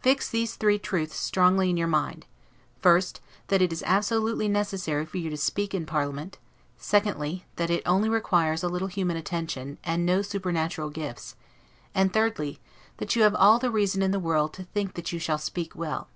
Fix these three truths strongly in your mind: First, that it is absolutely necessary for you to speak in parliament; secondly, that it only requires a little human attention, and no supernatural gifts; and, thirdly, that you have all the reason in the world to think that you shall speak well.